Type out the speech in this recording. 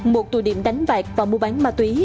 một tù điểm đánh bạc và mua bán ma túy